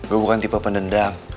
gue bukan tipe pendendam